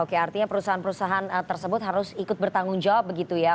oke artinya perusahaan perusahaan tersebut harus ikut bertanggung jawab begitu ya